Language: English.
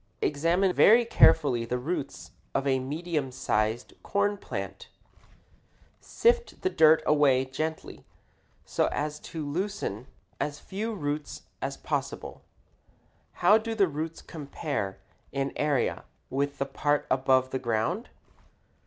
Examine very carefully the roots of a medium sized corn plant. Sift the dirt away gently so as to loosen as few roots as possible. How do the roots compare in area with the part above the ground?